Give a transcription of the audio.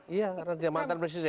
iya karena dia mantan presiden